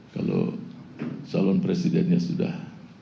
kalau calon presidennya sudah